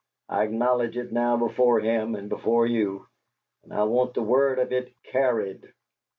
I acknowledge it now before him and before you and I want the word of it CARRIED!"